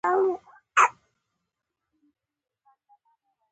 څو مې وس و دغې یوې ته مې کتل